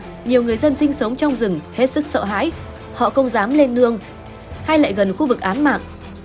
khi vụ án xảy ra nhiều người dân sinh sống trong rừng hết sức sợ hãi họ không dám lên nương hay lại gần khu vực án mạng